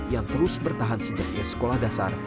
yang terus bertahan sejak usia sekolah dasar